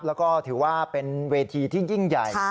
แล้วก็ถือว่าเป็นเวทีที่ยิ่งใหญ่